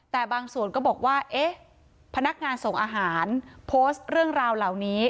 แต่บางส่วนก็บอกว่าเอ๊ะพนักงานส่งอาหารโพสต์เรื่องราวเหล่านี้